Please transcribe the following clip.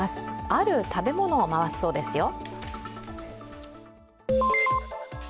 ある食べ物を回すそうですよ。